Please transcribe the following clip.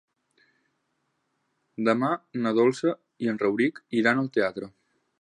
Demà na Dolça i en Rauric iran al teatre.